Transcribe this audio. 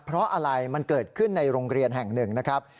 เพราะอะไรมันเกิดขึ้นในโรงเรียนแห่งหนึ่งนะครับ